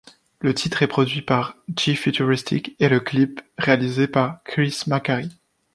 Le titre est produit par Gee Futuristic et le clip, réalisé par Chris Macari.